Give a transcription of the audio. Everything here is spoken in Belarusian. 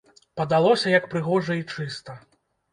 Падалося, як прыгожа і чыста.